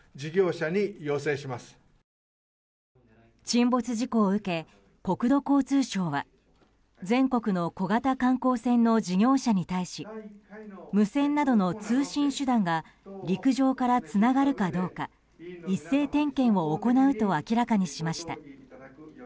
沈没事故を受け国土交通省は全国の小型観光船の事業者に対し無線などの通信手段が陸上からつながるかどうか一斉点検を行うと明らかにしました。